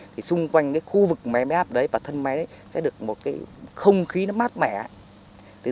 thành cái khu vực máy áp đấy và thân máy đấy sẽ được một cái không khí nó mát mẻ